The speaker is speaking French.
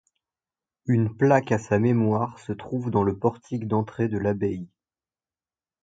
Une plaque à sa mémoire se trouve dans le portique d'entrée de l'abbaye.